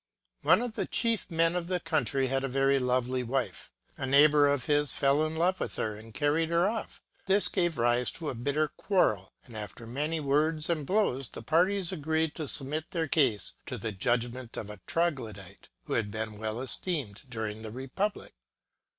One of the chief men of the country had a very lovely wife. A neighbor of his fell in love with her, and carried her off. This gave rise to a bitter quarrel ; and after many words and blows, the parties agreed to submit their case to the judgment of a Troglodite, who had been well esteemed during the republic.